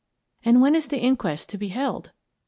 " And when is the inquest to be held